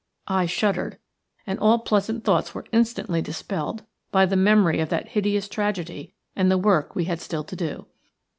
I shuddered, and all pleasant thoughts were instantly dispelled by the memory of that hideous tragedy and the work we had still to do.